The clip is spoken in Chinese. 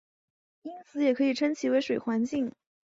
因此也可以称其为水环境。